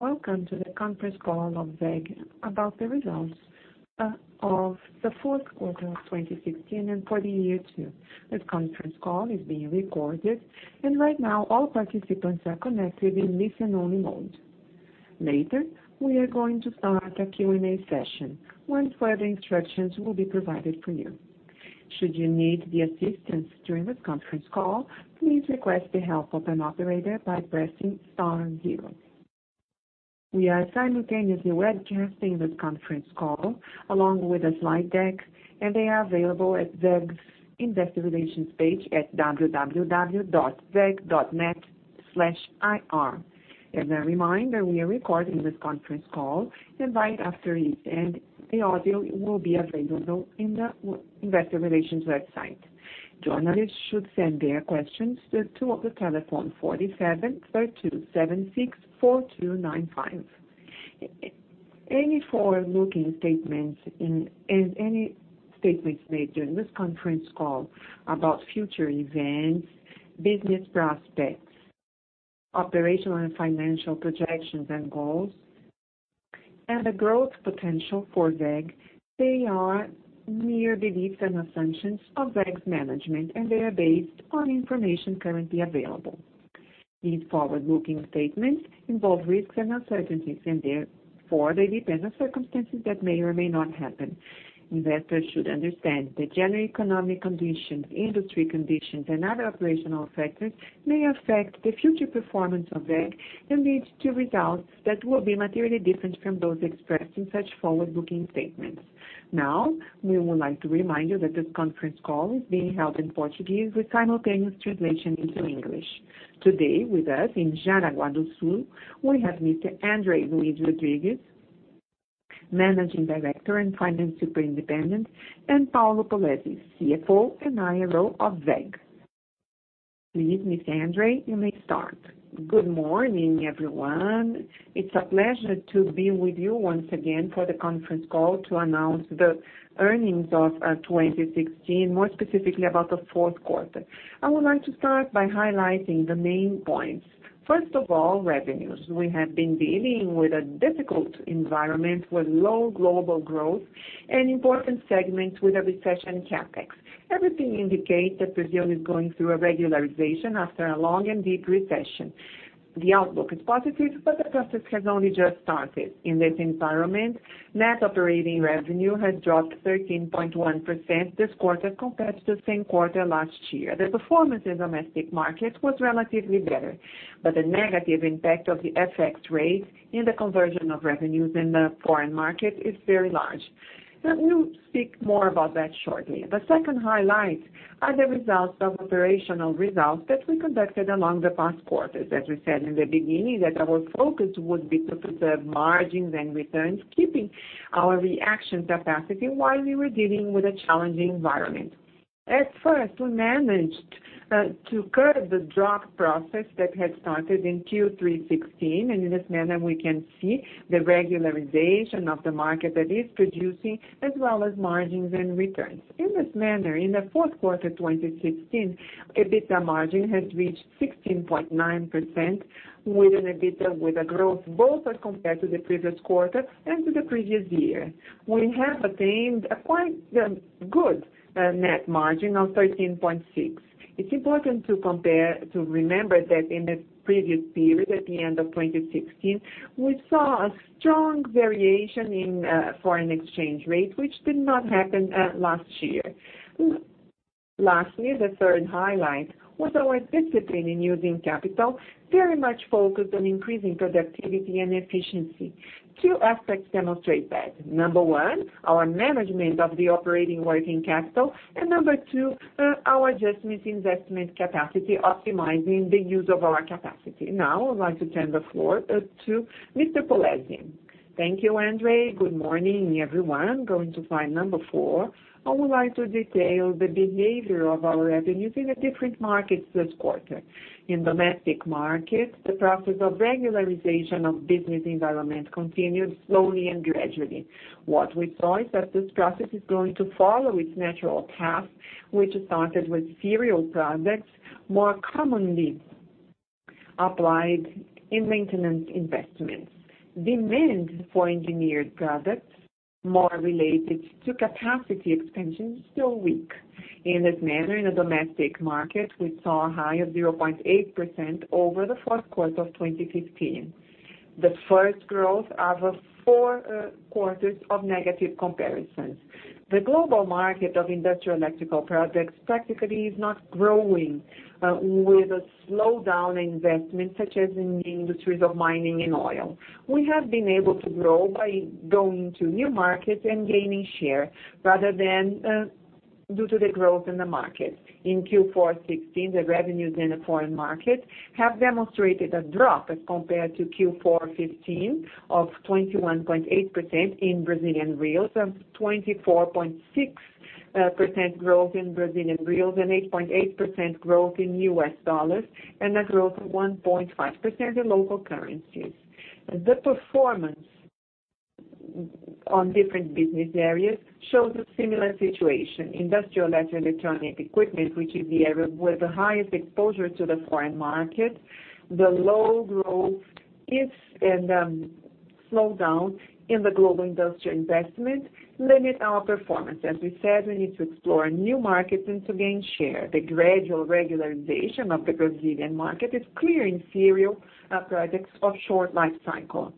Welcome to the conference call of WEG about the results of the fourth quarter of 2016 and for the year too. This conference call is being recorded, and right now all participants are connected in listen-only mode. Later, we are going to start a Q&A session, once further instructions will be provided for you. Should you need the assistance during this conference call, please request the help of an operator by pressing star zero. We are simultaneously webcasting this conference call along with a slide deck, and they are available at WEG's Investor Relations page at www.weg.net/ir. As a reminder, we are recording this conference call, and right after it end, the audio will be available in the investor relations website. Journalists should send their questions to the telephone 4732-764295. Any forward-looking statements and any statements made during this conference call about future events, business prospects, operational and financial projections and goals, and the growth potential for WEG, they are mere beliefs and assumptions of WEG's management, and they are based on information currently available. These forward-looking statements involve risks and uncertainties, and therefore, they depend on circumstances that may or may not happen. Investors should understand the general economic conditions, industry conditions, and other operational factors may affect the future performance of WEG and lead to results that will be materially different from those expressed in such forward-looking statements. Now, we would like to remind you that this conference call is being held in Portuguese with simultaneous translation into English. Today, with us in Jaraguá do Sul, we have Mr. André Luís Rodrigues, Managing Director and Finance Superintendent, and Paulo Polezi, CFO and IRO of WEG. Please, Mr. André, you may start. Good morning, everyone. It's a pleasure to be with you once again for the conference call to announce the earnings of 2016, more specifically about the fourth quarter. I would like to start by highlighting the main points. First of all, revenues. We have been dealing with a difficult environment with low global growth and important segments with a recession CapEx. Everything indicates that Brazil is going through a regularization after a long and deep recession. The outlook is positive, but the process has only just started. In this environment, net operating revenue has dropped 13.1% this quarter compared to the same quarter last year. The performance in domestic markets was relatively better, but the negative impact of the FX rate in the conversion of revenues in the foreign market is very large. We'll speak more about that shortly. The second highlight are the results of operational results that we conducted along the past quarters. As we said in the beginning, that our focus would be to preserve margins and returns, keeping our reaction capacity while we were dealing with a challenging environment. At first, we managed to curb the drop process that had started in Q3 2016, and in this manner, we can see the regularization of the market that is producing as well as margins and returns. In this manner, in the fourth quarter 2016, EBITDA margin has reached 16.9% within EBITDA with a growth both as compared to the previous quarter and to the previous year. We have attained a quite good net margin of 13.6%. It's important to remember that in the previous period, at the end of 2016, we saw a strong variation in foreign exchange rate, which did not happen last year. Lastly, the third highlight was our discipline in using capital very much focused on increasing productivity and efficiency. Two aspects demonstrate that. Number 1, our management of the operating working capital, and Number 2, our adjustments investment capacity, optimizing the use of our capacity. I would like to turn the floor to Mr. Polezi. Thank you, André. Good morning, everyone. Going to slide number four, I would like to detail the behavior of our revenues in the different markets this quarter. In domestic markets, the process of regularization of business environment continued slowly and gradually. What we saw is that this process is going to follow its natural path, which started with serial products more commonly applied in maintenance investments. Demand for engineered products more related to capacity expansion is still weak. In this manner, in the domestic market, we saw a high of 0.8% over the fourth quarter of 2015. The first growth of four quarters of negative comparisons. The global market of industrial electrical products practically is not growing with a slowdown in investment, such as in the industries of mining and oil. We have been able to grow by going to new markets and gaining share rather than due to the growth in the market. In Q4 2016, the revenues in the foreign market have demonstrated a drop as compared to Q4 2015 of 21.8% in BRL, of 24.6% growth in Brazilian real, and 8.8% growth in US dollars, and a growth of 1.5% in local currencies. The performance on different business areas, shows a similar situation. Industrial electrical and electronic equipment, which is the area with the highest exposure to the foreign market, the low growth and slowdown in the global industrial investment limit our performance. As we said, we need to explore new markets and to gain share. The gradual regularization of the Brazilian market is clearing serial projects of short life cycle.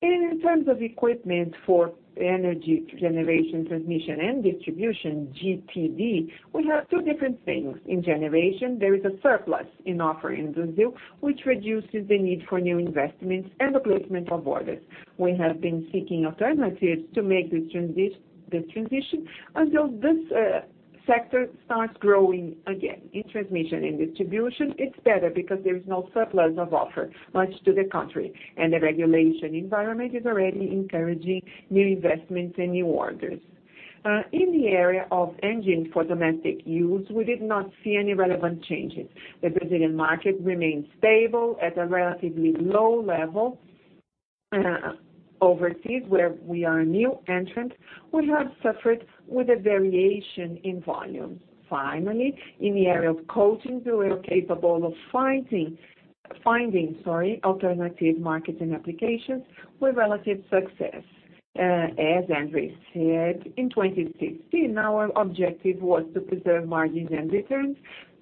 In terms of equipment for energy generation, transmission, and distribution, GTD, we have two different things. In generation, there is a surplus in offer in Brazil, which reduces the need for new investments and the placement of orders. We have been seeking alternatives to make this transition until this sector starts growing again. In transmission and distribution, it's better because there is no surplus of offer, much to the contrary, and the regulation environment is already encouraging new investments and new orders. In the area of engines for domestic use, we did not see any relevant changes. The Brazilian market remains stable at a relatively low level. Overseas, where we are a new entrant, we have suffered with a variation in volume. Finally, in the area of coatings, we were capable of finding alternative markets and applications with relative success. As André said, in 2016, our objective was to preserve margins and returns,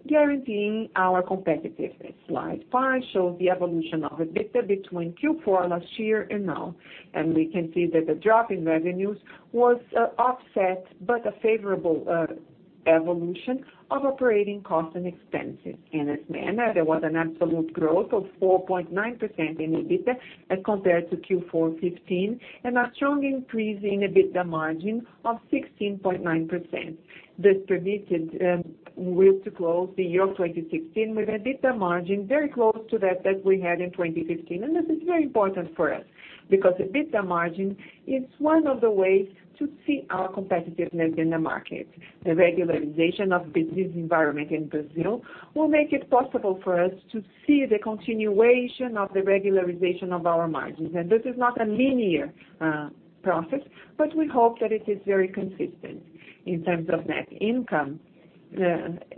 guaranteeing our competitiveness. Slide five shows the evolution of EBITDA between Q4 last year and now. We can see that the drop in revenues was offset by the favorable evolution of operating costs and expenses. In this manner, there was an absolute growth of 4.9% in EBITDA as compared to Q4 2015, and a strong increase in EBITDA margin of 16.9%. This permitted us to close the year 2016 with EBITDA margin very close to that we had in 2015. This is very important for us because EBITDA margin is one of the ways to see our competitiveness in the market. The regularization of business environment in Brazil will make it possible for us to see the continuation of the regularization of our margins. This is not a linear process, but we hope that it is very consistent. In terms of net income,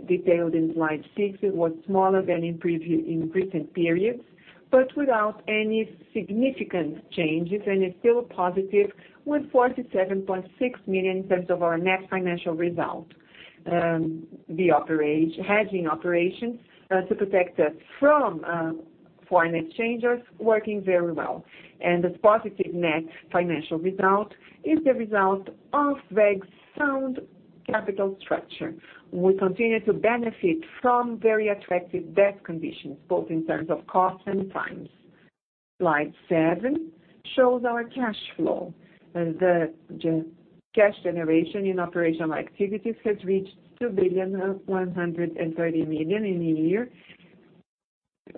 detailed in slide six, it was smaller than in recent periods, but without any significant changes and is still positive with 47.6 million in terms of our net financial result. The hedging operations to protect us from foreign exchanges working very well. This positive net financial result is the result of WEG's sound capital structure. We continue to benefit from very attractive debt conditions, both in terms of cost and times. Slide seven shows our cash flow. The cash generation in operational activities has reached 2.13 billion in the year,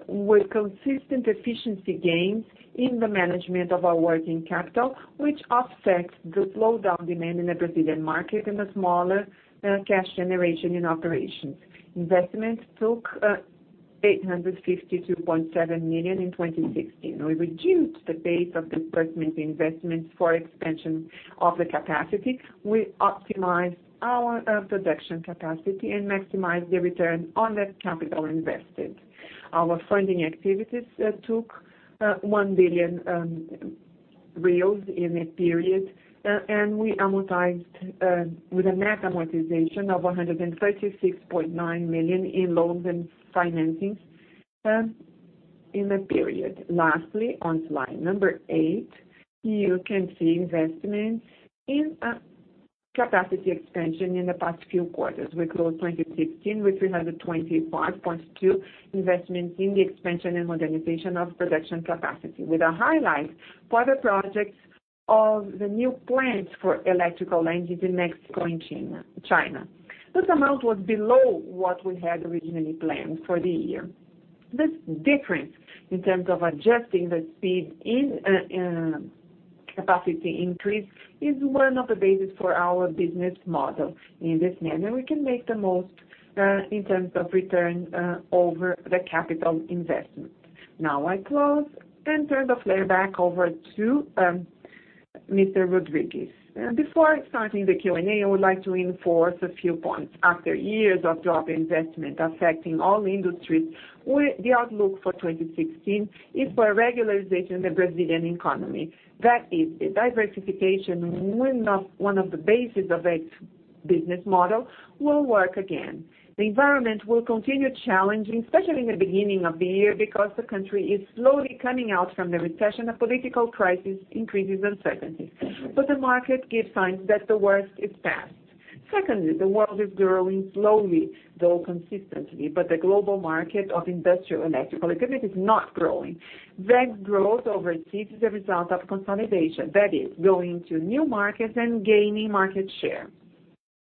with consistent efficiency gains in the management of our working capital, which offsets the slowdown demand in the Brazilian market and the smaller cash generation in operations. Investments took 852.7 million in 2016. We reduced the pace of disbursement investments for expansion of the capacity. We optimized our production capacity and maximized the return on that capital invested. Our funding activities took 1 billion reais in the period, and we amortized with a net amortization of 136.9 million in loans and financings in the period. Lastly, on slide number eight, you can see investments in capacity expansion in the past few quarters. We closed 2015 with 325.2 million investments in the expansion and modernization of production capacity, with a highlight for the projects of the new plants for electrical engines in Mexico and China. This amount was below what we had originally planned for the year. This difference in terms of adjusting the speed in capacity increase is one of the bases for our business model. In this manner, we can make the most in terms of return over the capital investment. Now I close and turn the floor back over to Mr. Rodrigues. Before starting the Q&A, I would like to reinforce a few points. After years of drop investment affecting all industries, the outlook for 2016 is for regularization in the Brazilian economy. That is, the diversification, one of the bases of its business model, will work again. The environment will continue challenging, especially in the beginning of the year, because the country is slowly coming out from the recession. The political crisis increases uncertainty. The market give signs that the worst is past. Secondly, the world is growing slowly, though consistently, but the global market of industrial electrical equipment is not growing. WEG's growth overseas is a result of consolidation. That is, going to new markets and gaining market share.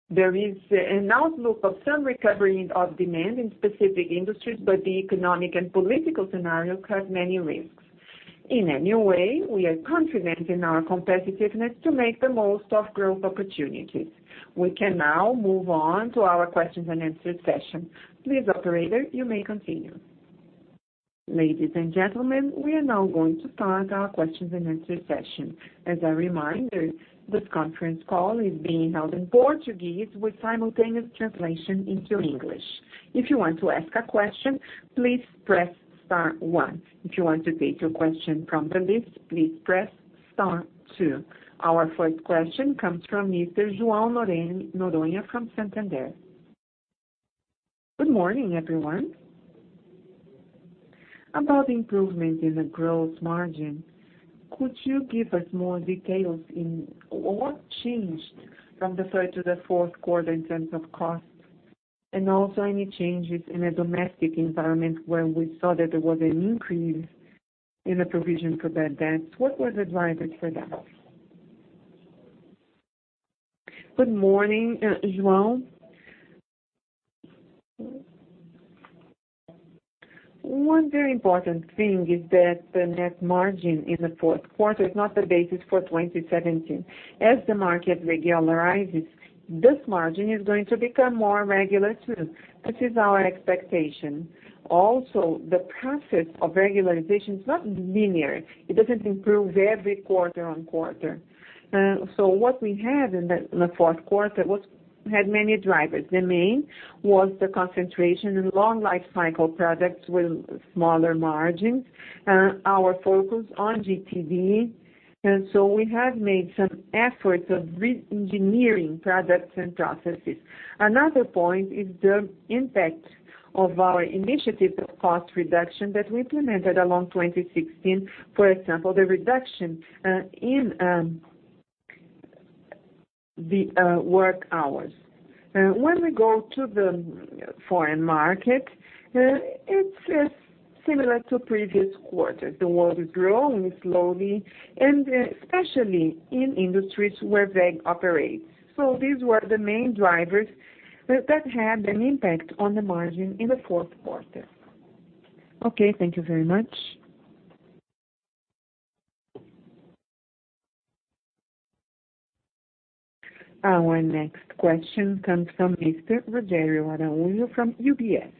There is an outlook of some recovery of demand in specific industries, but the economic and political scenario have many risks. In any way, we are confident in our competitiveness to make the most of growth opportunities. We can now move on to our questions and answers session. Please, operator, you may continue. Ladies and gentlemen, we are now going to start our questions and answer session. As a reminder, this conference call is being held in Portuguese with simultaneous translation into English. If you want to ask a question, please press star one. If you want to take your question from the list, please press star two. Our first question comes from Mr. João Noronha from Santander. Good morning, everyone. About improvement in the growth margin, could you give us more details in what changed from the third to the fourth quarter in terms of costs? Also any changes in the domestic environment where we saw that there was an increase in the provision for bad debts. What was the drivers for that? Good morning, João. One very important thing is that the net margin in the fourth quarter is not the basis for 2017. As the market regularizes, this margin is going to become more regular too, which is our expectation. The process of regularization is not linear. It doesn't improve every quarter-over-quarter. What we have in the fourth quarter had many drivers. The main was the concentration in long life cycle products with smaller margins, our focus on GTD. We have made some efforts of re-engineering products and processes. Another point is the impact of our initiative of cost reduction that we implemented along 2016, for example, the reduction in the work hours. When we go to the foreign market, it's similar to previous quarters. The world is growing slowly and especially in industries where WEG operates. These were the main drivers that had an impact on the margin in the fourth quarter. Okay. Thank you very much. Our next question comes from Mr. Rogerio Araujo from UBS.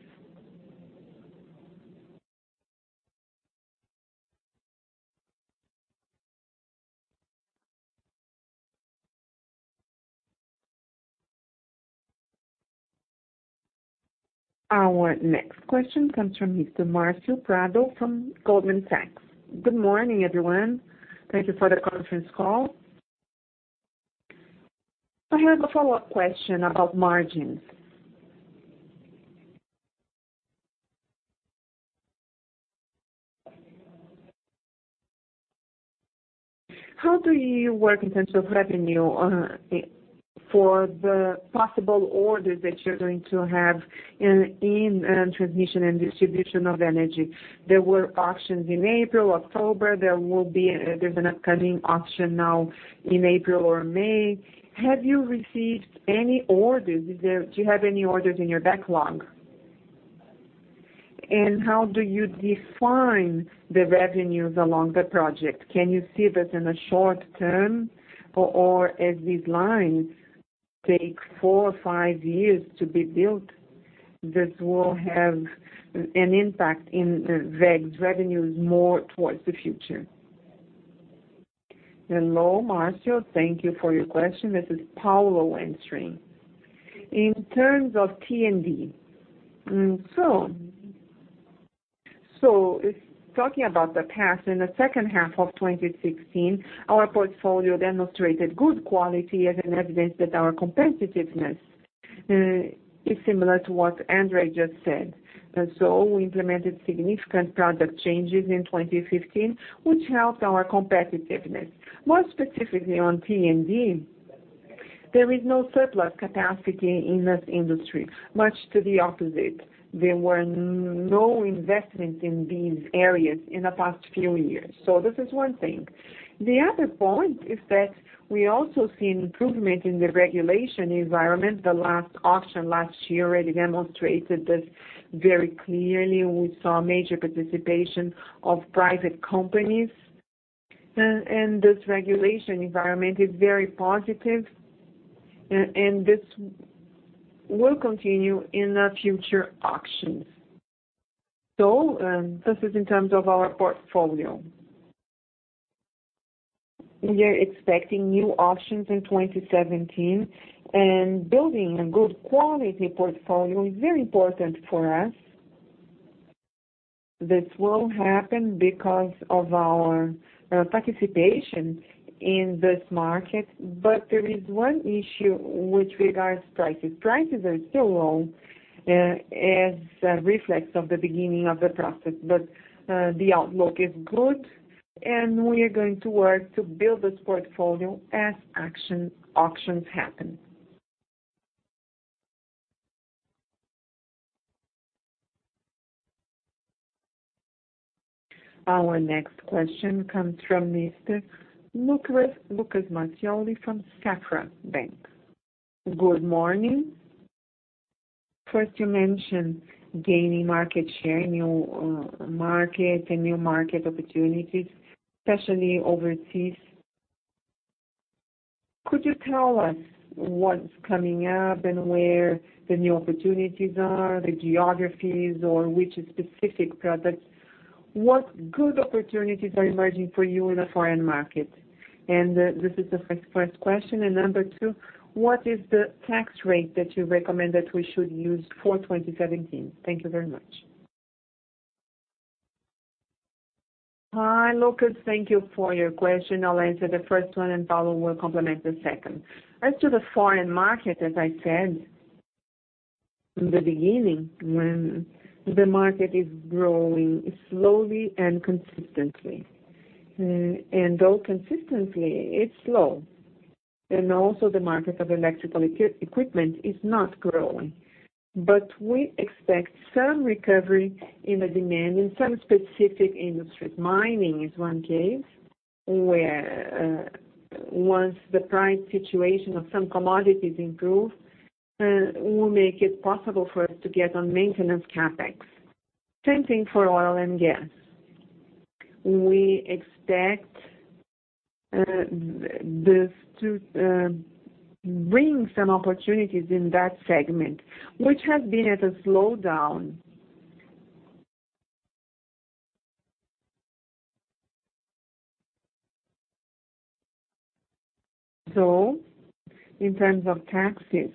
Our next question comes from Mr. Márcio Prado from Goldman Sachs. Good morning, everyone. Thank you for the conference call. I have a follow-up question about margins. How do you work in terms of revenue for the possible orders that you're going to have in transmission and distribution of energy? There were auctions in April, October. There's an upcoming auction now in April or May. Have you received any orders? Do you have any orders in your backlog? How do you define the revenues along the project? Can you see this in a short term or as these lines take four or five years to be built, this will have an impact in WEG's revenues more towards the future. Hello, Márcio. Thank you for your question. This is Paulo answering. In terms of T&D. If talking about the past in the second half of 2016, our portfolio demonstrated good quality as an evidence that our competitiveness is similar to what André just said. We implemented significant product changes in 2015, which helped our competitiveness. More specifically on T&D, there is no surplus capacity in this industry, much to the opposite. There were no investments in these areas in the past few years. This is one thing. The other point is that we also see improvement in the regulation environment. The last auction last year already demonstrated this very clearly. We saw major participation of private companies. This regulation environment is very positive. This will continue in the future auctions. This is in terms of our portfolio. We are expecting new auctions in 2017. Building a good quality portfolio is very important for us. This will happen because of our participation in this market. There is one issue with regards to prices. Prices are still low, as a reflex of the beginning of the process. The outlook is good, and we are going to work to build this portfolio as auctions happen. Our next question comes from Mr. Lucas Mattioli from Safra Bank. Good morning. First, you mentioned gaining market share, new market, and new market opportunities, especially overseas. Could you tell us what's coming up and where the new opportunities are, the geographies, or which specific products? What good opportunities are emerging for you in the foreign market? This is the first question. Number 2, what is the tax rate that you recommend that we should use for 2017? Thank you very much. Hi, Lucas. Thank you for your question. I'll answer the first one, and Paulo will complement the second. As to the foreign market, as I said in the beginning, the market is growing slowly and consistently. Though consistently, it's slow. Also the market of electrical equipment is not growing. We expect some recovery in the demand in some specific industries. Mining is one case, where once the price situation of some commodities improve, will make it possible for us to get on maintenance CapEx. Same thing for oil and gas. We expect this to bring some opportunities in that segment, which has been at a slowdown. In terms of taxes,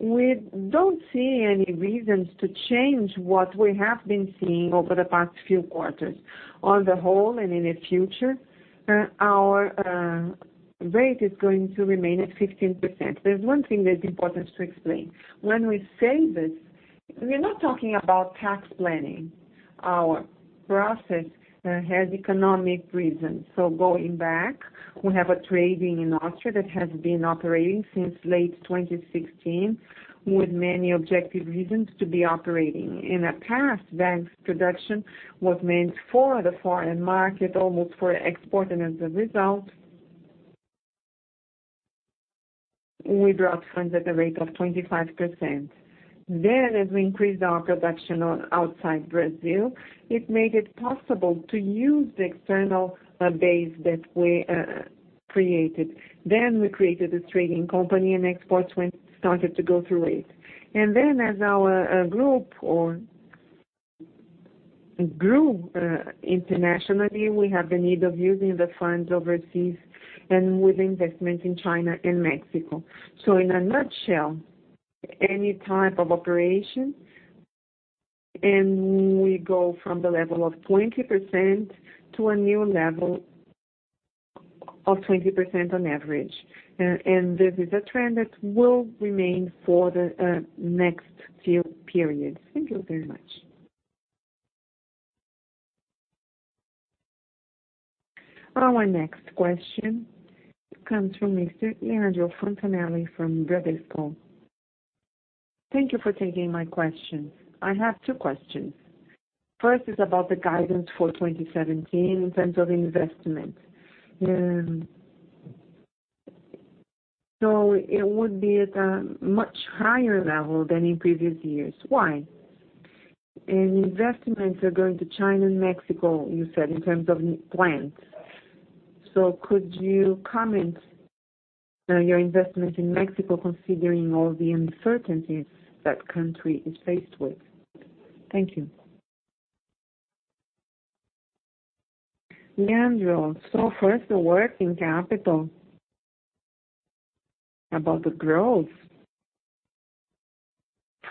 we don't see any reasons to change what we have been seeing over the past few quarters. On the whole and in the future, our rate is going to remain at 15%. There's one thing that's important to explain. When we say this, we're not talking about tax planning. Our process has economic reasons. Going back, we have a trading in Austria that has been operating since late 2016, with many objective reasons to be operating. In the past, WEG's production was meant for the foreign market, almost for export, and as a result, we brought funds at a rate of 25%. As we increased our production outside Brazil, it made it possible to use the external base that we created. We created a trading company, and exports started to go through it. As our group grew internationally, we have the need of using the funds overseas and with investment in China and Mexico. In a nutshell, any type of operation, we go from the level of 20% to a new level of 20% on average. Thank you very much. Our next question comes from Mr. Leandro Fontanesi from Bradesco. Thank you for taking my question. I have two questions. First is about the guidance for 2017 in terms of investment. It would be at a much higher level than in previous years. Why? Investments are going to China and Mexico, you said, in terms of plants. Could you comment on your investments in Mexico, considering all the uncertainties that country is faced with? Thank you. Leandro. First, the working capital. About the growth,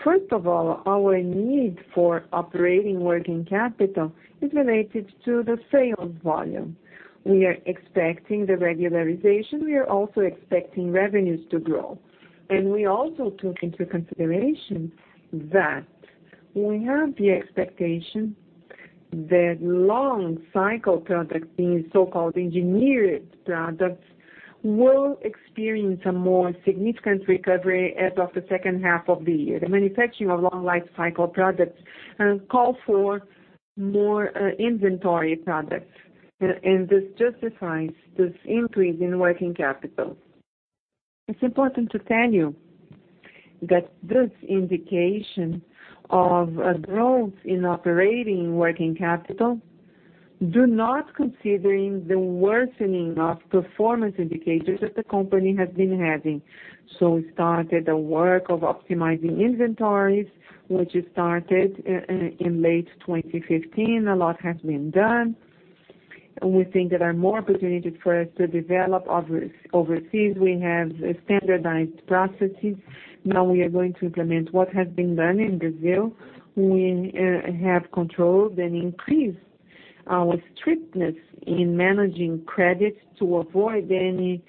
first of all, our need for operating working capital is related to the sales volume. We are expecting the regularization. We are also expecting revenues to grow. We also took into consideration that we have the expectation that long cycle products, these so-called engineered products, will experience a more significant recovery as of the second half of the year. The manufacturing of long life cycle products calls for more inventory products. This justifies this increase in working capital. It is important to tell you that this indication of a growth in operating working capital does not consider the worsening of performance indicators that the company has been having. We started a work of optimizing inventories, which started in late 2015. A lot has been done. We think there are more opportunities for us to develop overseas. We have standardized processes. Now, we are going to implement what has been done in Brazil. We have controlled and increased our strictness in managing credits to avoid any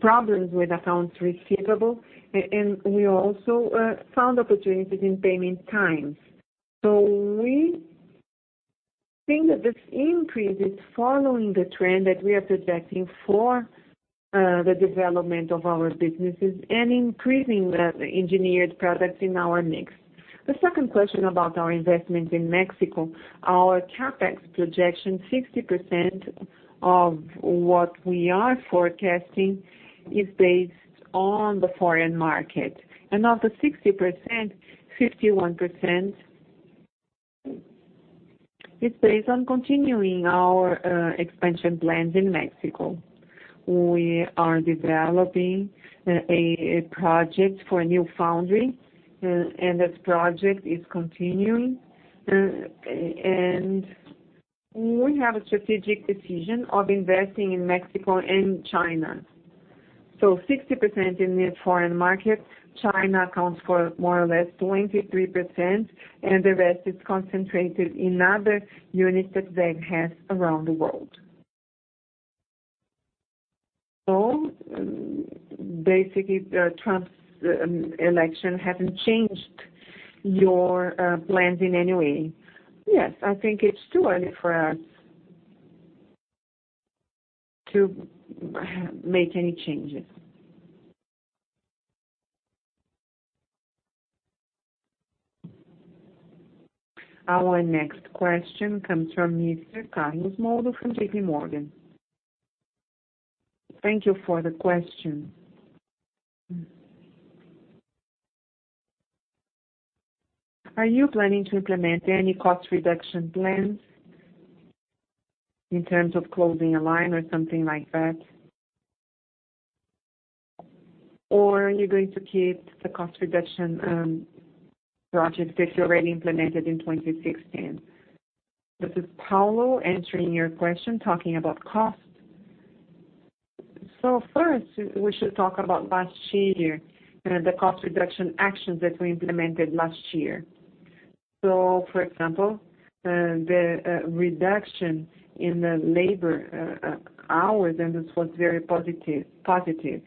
problems with accounts receivable. We also found opportunities in payment times. We think that this increase is following the trend that we are projecting for the development of our businesses and increasing the engineered products in our mix. The second question about our investment in Mexico, our CapEx projection, 60% of what we are forecasting is based on the foreign market. Of the 60%, 51% is based on continuing our expansion plans in Mexico. We are developing a project for a new foundry. This project is continuing. We have a strategic decision of investing in Mexico and China. 60% in the foreign market. China accounts for more or less 23%. The rest is concentrated in other units that WEG has around the world. Basically, Trump's election hasn't changed your plans in any way. Yes, I think it's too early for us to make any changes. Our next question comes from Mr. Carlos Moldo from JP Morgan. Thank you for the question. Are you planning to implement any cost reduction plans in terms of closing a line or something like that? Or are you going to keep the cost reduction projects that you already implemented in 2016? This is Paulo answering your question talking about cost. First, we should talk about last year, the cost reduction actions that we implemented last year. For example, the reduction in the labor hours. This was very positive.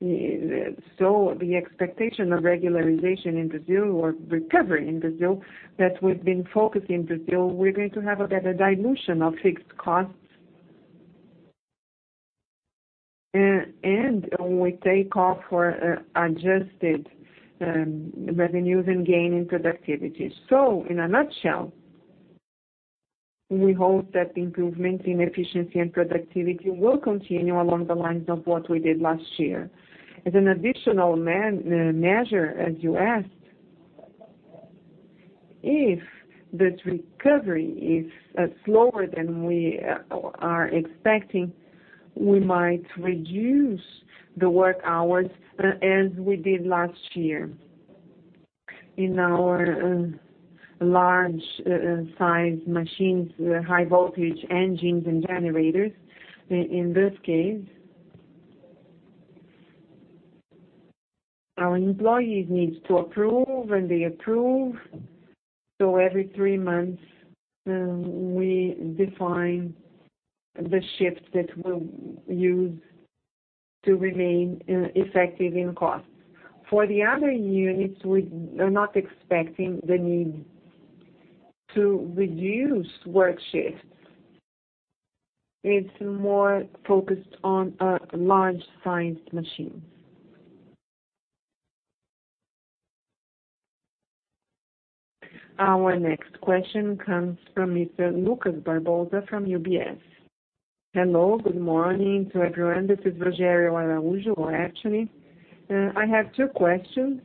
The expectation of regularization in Brazil or recovery in Brazil, that we've been focused in Brazil, we're going to have a better dilution of fixed costs. We take off for adjusted revenues and gain in productivity. In a nutshell, we hope that improvement in efficiency and productivity will continue along the lines of what we did last year. As an additional measure, as you asked, if this recovery is slower than we are expecting, we might reduce the work hours as we did last year in our large size machines, high voltage engines and generators. In this case, our employees need to approve. They approve. Every three months, we define the shifts that we'll use to remain effective in cost. For the other units, we are not expecting the need to reduce work shifts. It's more focused on large sized machines. Our next question comes from Mr. Lucas Barbosa from UBS. Hello. Good morning to everyone. This is Rogério Araujo actually. I have two questions.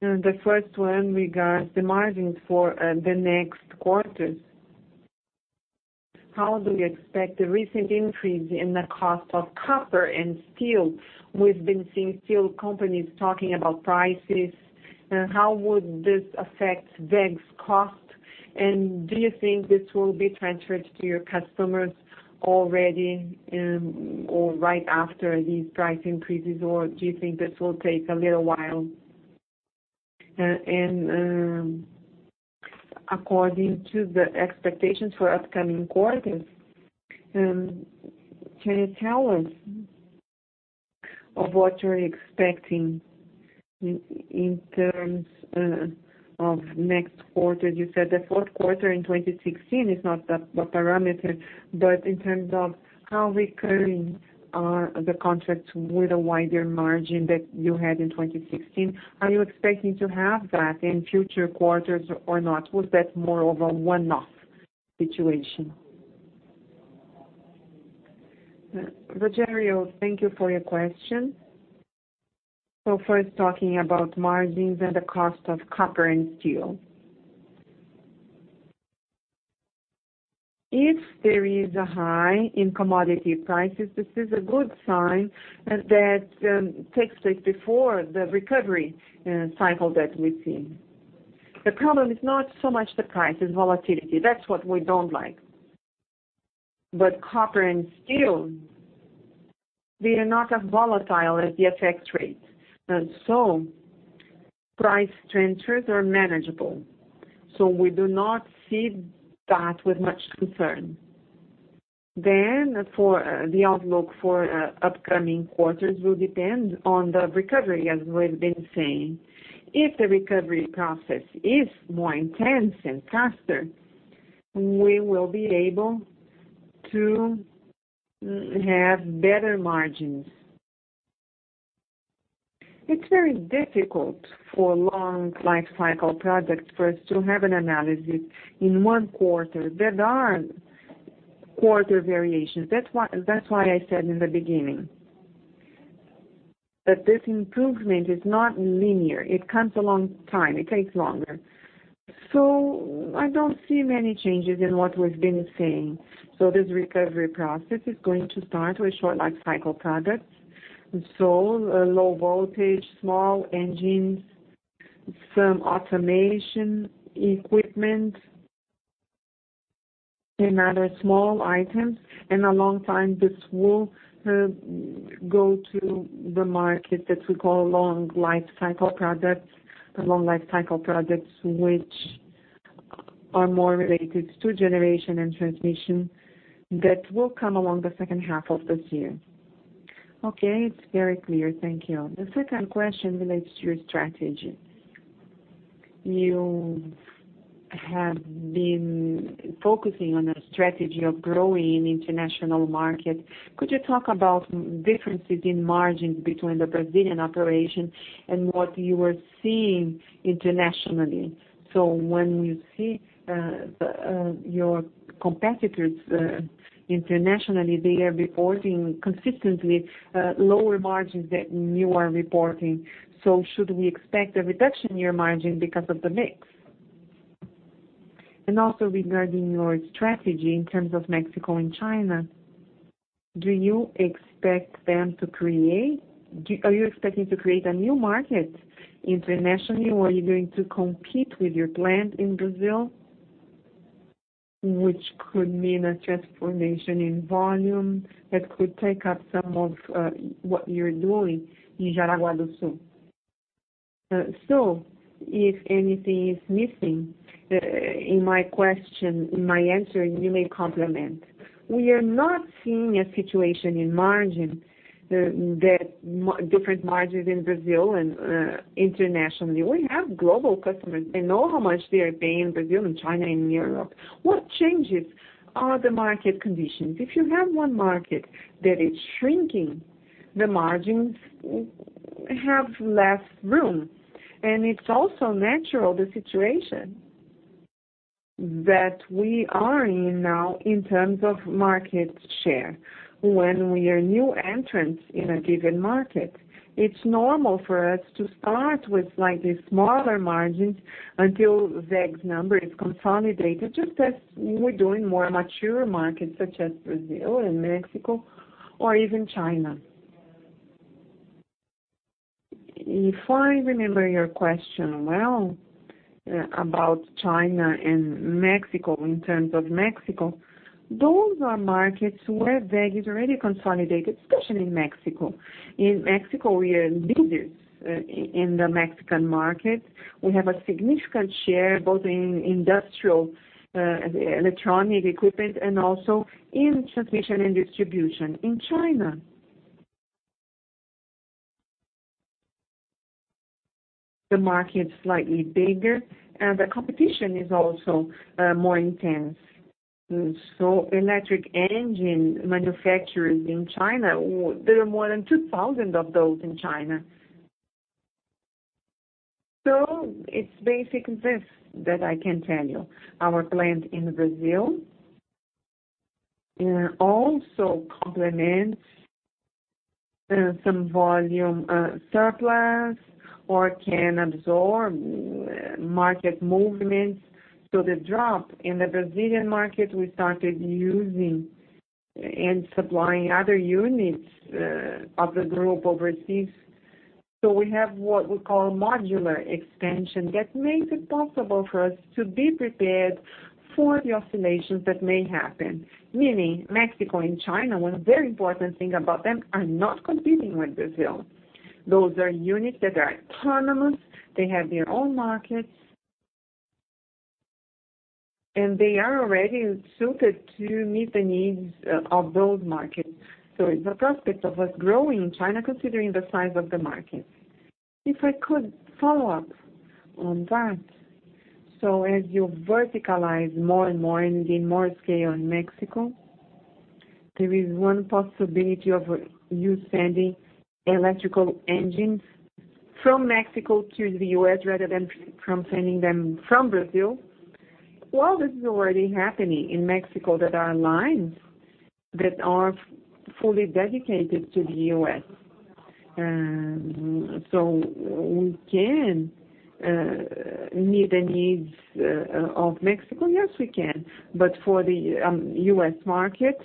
The first one regards the margins for the next quarters. How do we expect the recent increase in the cost of copper and steel? We've been seeing steel companies talking about prices. How would this affect WEG's cost? Do you think this will be transferred to your customers already, or right after these price increases, or do you think this will take a little while? According to the expectations for upcoming quarters, can you tell us of what you're expecting in terms of next quarter? You said the fourth quarter in 2016 is not the parameter, but in terms of how recurring are the contracts with a wider margin that you had in 2016, are you expecting to have that in future quarters or not? Was that more of a one-off situation? Rogério, thank you for your question. First talking about margins and the cost of copper and steel. If there is a high in commodity prices, this is a good sign that takes place before the recovery cycle that we've seen. The problem is not so much the price and volatility. That's what we don't like. Copper and steel, they are not as volatile as the FX rate. Price transfers are manageable. We do not see that with much concern. For the outlook for upcoming quarters will depend on the recovery, as we've been saying. If the recovery process is more intense and faster, we will be able to have better margins. It's very difficult for long lifecycle projects for us to have an analysis in one quarter. There are quarter variations. That's why I said in the beginning. This improvement is not linear. It comes a long time. It takes longer. I don't see many changes in what we've been saying. This recovery process is going to start with short-life cycle products. Low voltage, small engines, some automation equipment, and other small items. In a long time, this will go to the market that we call long lifecycle products. The long lifecycle products, which are more related to generation and transmission. That will come along the second half of this year. Okay. It's very clear. Thank you. The second question relates to your strategy. You have been focusing on a strategy of growing in international market. Could you talk about differences in margins between the Brazilian operation and what you are seeing internationally? When you see your competitors internationally, they are reporting consistently lower margins than you are reporting. Should we expect a reduction in your margin because of the mix? Also regarding your strategy in terms of Mexico and China, are you expecting to create a new market internationally, or are you going to compete with your plant in Brazil, which could mean a transformation in volume that could take up some of what you're doing in Jaraguá do Sul? If anything is missing in my question, in my answering, you may complement. We are not seeing a situation in margin that different margins in Brazil and internationally. We have global customers. They know how much they are paying Brazil and China and Europe. What changes are the market conditions? If you have one market that is shrinking, the margins have less room. It's also natural, the situation that we are in now in terms of market share. When we are new entrants in a given market, it's normal for us to start with slightly smaller margins until WEG's number is consolidated, just as we do in more mature markets such as Brazil and Mexico or even China. If I remember your question well about China and Mexico, in terms of Mexico, those are markets where WEG is already consolidated, especially in Mexico. In Mexico, we are leaders. In the Mexican market, we have a significant share, both in industrial electronic equipment and also in transmission and distribution. In China, the market is slightly bigger, and the competition is also more intense. Electric engine manufacturers in China, there are more than 2,000 of those in China. It's basically this that I can tell you. Our plant in Brazil also complements some volume surplus or can absorb market movements. The drop in the Brazilian market, we started using and supplying other units of the group overseas. We have what we call a modular expansion that makes it possible for us to be prepared for the oscillations that may happen. Meaning Mexico and China, one very important thing about them are not competing with Brazil. Those are units that are autonomous. They have their own markets, and they are already suited to meet the needs of those markets. It's a prospect of us growing in China, considering the size of the market. If I could follow up on that. As you verticalize more and more and gain more scale in Mexico, there is one possibility of you sending electrical engines from Mexico to the U.S., rather than from sending them from Brazil. This is already happening in Mexico, that are lines that are fully dedicated to the U.S. We can meet the needs of Mexico. Yes, we can. For the U.S. market,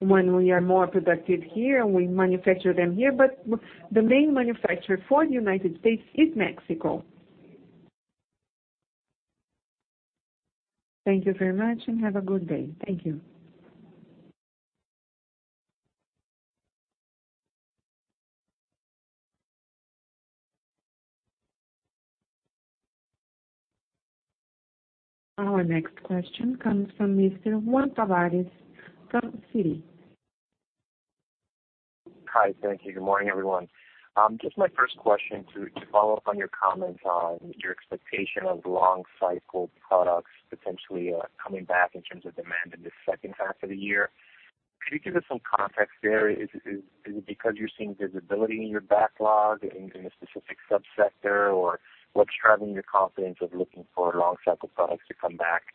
when we are more productive here, and we manufacture them here. The main manufacturer for the United States is Mexico. Thank you very much, and have a good day. Thank you. Our next question comes from Mr. Juan Tavarez from Citi. Hi. Thank you. Good morning, everyone. Just my first question to follow up on your comments on your expectation of long-cycle products potentially coming back in terms of demand in the second half of the year. Could you give us some context there? Is it because you're seeing visibility in your backlog in a specific sub-sector, or what's driving your confidence of looking for long-cycle products to come back?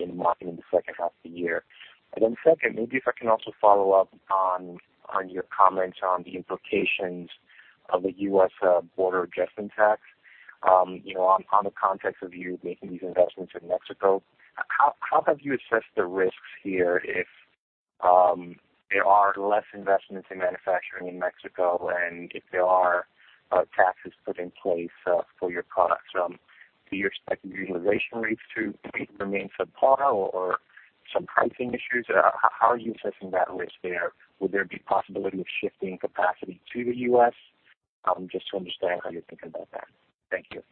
In the market in the second half of the year. Second, maybe if I can also follow up on your comments on the implications of the U.S. border adjustment tax. On the context of you making these investments in Mexico, how have you assessed the risks here if there are less investments in manufacturing in Mexico and if there are taxes put in place for your products? Do you expect your utilization rates to maybe remain subpar or some pricing issues? How are you assessing that risk there? Will there be possibility of shifting capacity to the U.S.? Just to understand how you're thinking about that. Thank you.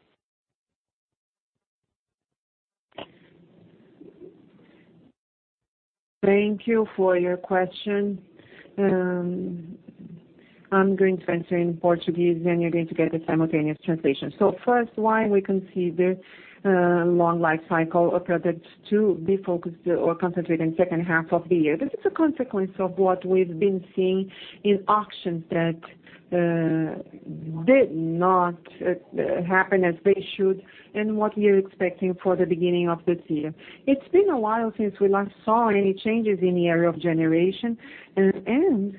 Thank you for your question. I'm going to answer in Portuguese, then you're going to get the simultaneous translation. First, why we consider long life cycle projects to be focused or concentrated in second half of the year. This is a consequence of what we've been seeing in auctions that did not happen as they should and what we are expecting for the beginning of this year. It's been a while since we last saw any changes in the area of generation, and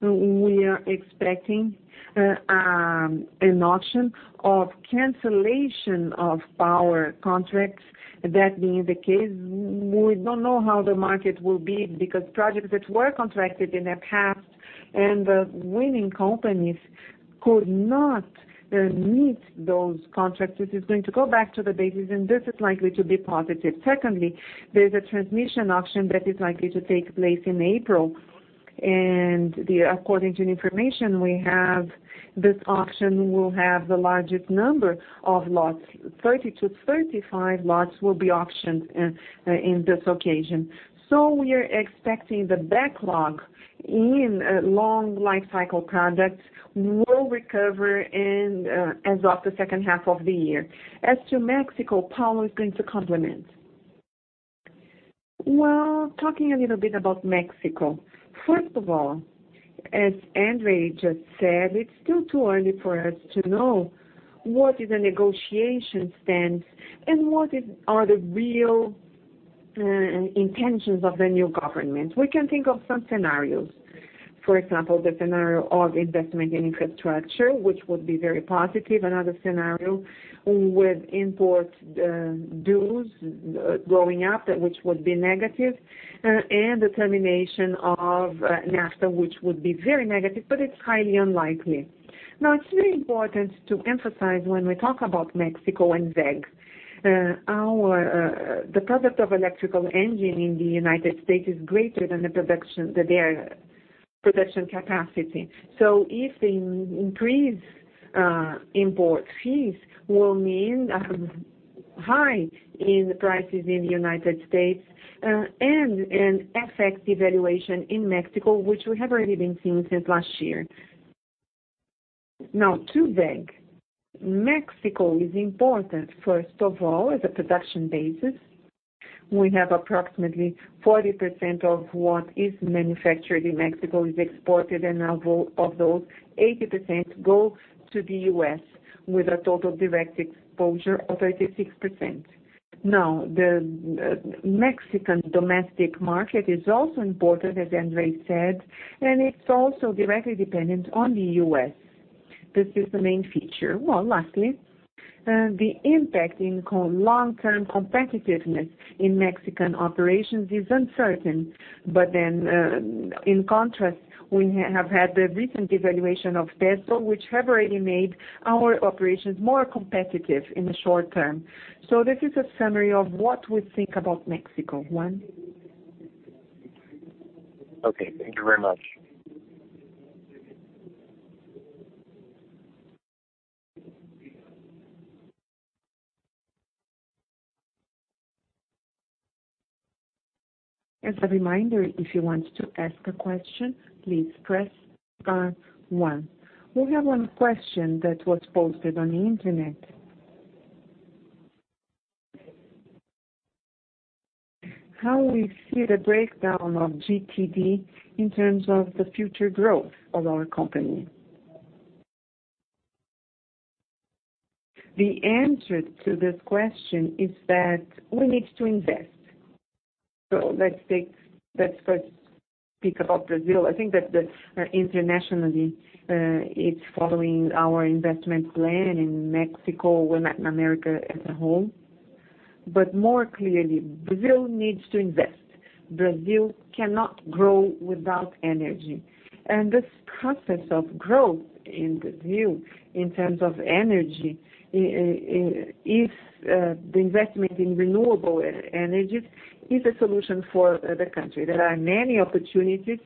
we are expecting an auction of cancellation of power contracts. That being the case, we don't know how the market will be because projects that were contracted in the past and the winning companies could not meet those contracts. This is going to go back to the bases, and this is likely to be positive. Secondly, there's a transmission auction that is likely to take place in April, and according to information we have, this auction will have the largest number of lots. 30 to 35 lots will be auctioned in this occasion. We are expecting the backlog in long life cycle projects will recover as of the second half of the year. As to Mexico, Paulo is going to complement. Well, talking a little bit about Mexico. First of all, as André just said, it's still too early for us to know what is the negotiation stands and what are the real intentions of the new government. We can think of some scenarios. For example, the scenario of investment in infrastructure, which would be very positive. Another scenario with import dues going up, which would be negative. The termination of NAFTA, which would be very negative, but it's highly unlikely. It's very important to emphasize when we talk about Mexico and WEG, the product of electrical engine in the United States is greater than their production capacity. If they increase import fees will mean high in prices in the United States, and an effect devaluation in Mexico, which we have already been seeing since last year. To WEG. Mexico is important, first of all, as a production basis. We have approximately 40% of what is manufactured in Mexico is exported, and of those, 80% go to the U.S. with a total direct exposure of 36%. The Mexican domestic market is also important, as André said, and it's also directly dependent on the U.S. This is the main feature. Well, lastly, the impact in long-term competitiveness in Mexican operations is uncertain. In contrast, we have had the recent devaluation of peso, which have already made our operations more competitive in the short term. This is a summary of what we think about Mexico. Juan? Okay. Thank you very much. As a reminder, if you want to ask a question, please press star one. We have one question that was posted on the internet. How we see the breakdown of GTD in terms of the future growth of our company. The answer to this question is that we need to invest. Let's first speak about Brazil. I think that internationally, it's following our investment plan in Mexico, Latin America as a whole. More clearly, Brazil needs to invest. Brazil cannot grow without energy. This process of growth in Brazil in terms of energy, the investment in renewable energies is a solution for the country. There are many opportunities,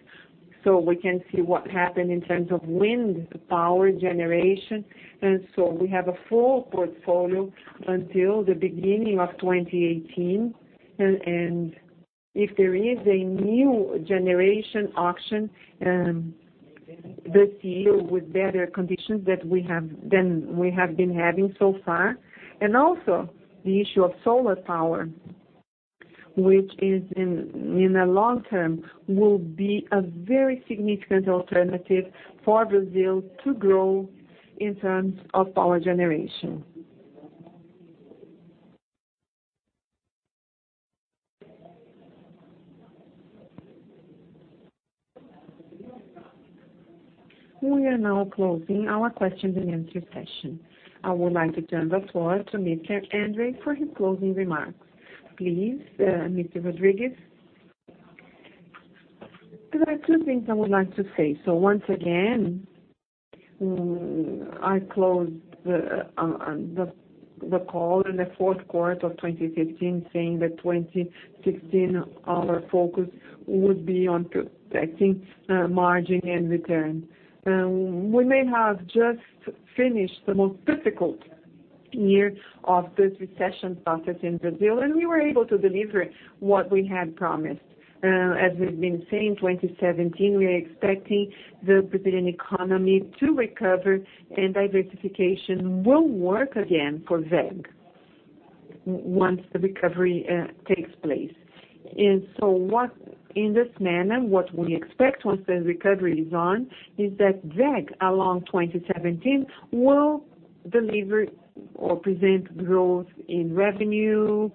we can see what happened in terms of wind power generation. We have a full portfolio until the beginning of 2018. If there is a new generation auction this year with better conditions than we have been having so far. The issue of solar power which in the long term, will be a very significant alternative for Brazil to grow in terms of power generation. We are now closing our question and answer session. I would like to turn the floor to Mr. André for his closing remarks. Please, Mr. Rodrigues. There are two things I would like to say. Once again, I closed the call in the fourth quarter of 2015 saying that 2016, our focus would be on protecting margin and return. We may have just finished the most difficult year of this recession process in Brazil, we were able to deliver what we had promised. As we've been saying, 2017, we are expecting the Brazilian economy to recover and diversification will work again for WEG once the recovery takes place. In this manner, what we expect once the recovery is on, is that WEG, along 2017, will deliver or present growth in revenue,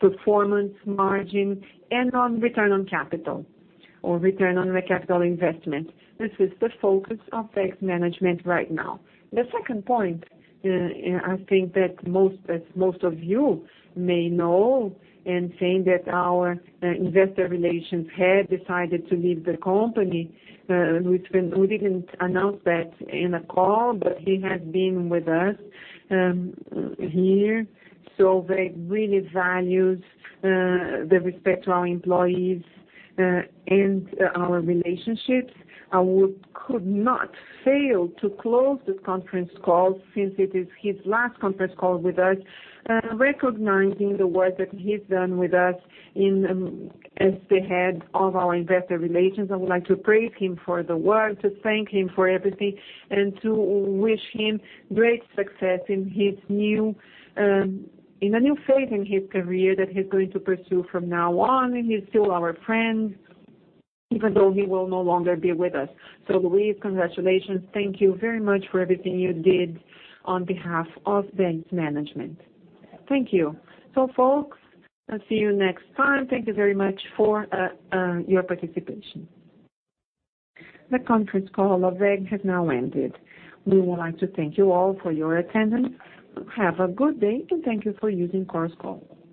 performance, margin, and on return on capital or return on capital investment. This is the focus of WEG's management right now. The second point, I think that most of you may know, and saying that our investor relations head decided to leave the company, we didn't announce that in the call, but he has been with us here. WEG really values the respect to our employees, and our relationships, and we could not fail to close this conference call since it is his last conference call with us, recognizing the work that he's done with us as the head of our investor relations. I would like to praise him for the work, to thank him for everything, and to wish him great success in the new phase in his career that he's going to pursue from now on, and he's still our friend even though he will no longer be with us. Luiz, congratulations. Thank you very much for everything you did on behalf of WEG's management. Thank you. Folks, I'll see you next time. Thank you very much for your participation. The conference call of WEG has now ended. We would like to thank you all for your attendance. Have a good day. Thank you for using Chorus Call.